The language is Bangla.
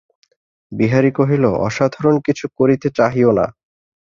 বিহারী কহিল, অসাধারণ কিছু করিতে চাহিয়ো না।